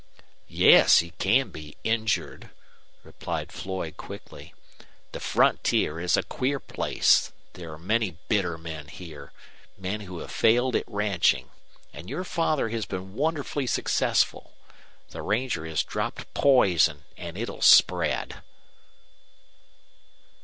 "Yes, he can be injured," replied Floyd, quickly. "The frontier is a queer place. There are many bitter men here men who have failed at ranching. And your father has been wonderfully successful. The ranger has dropped poison, and it'll spread."